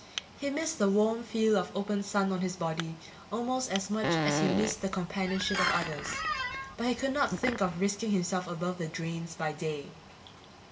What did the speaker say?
He missed the warm feel of open sun on his body almost as much as he missed the companionship of others, but he could not think of risking himself above the drains by day.